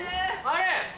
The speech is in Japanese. あれ？